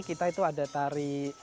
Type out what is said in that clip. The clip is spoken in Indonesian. kita itu ada tari